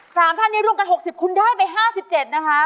สามท่านนี้รวมกัน๖๐คุณได้ไปห้าสิบเจ็ดนะคะ